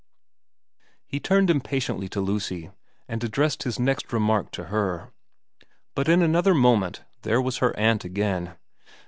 He turned impatiently to Lucy, and addressed his next remark to her. But in another moment there was her aunt again.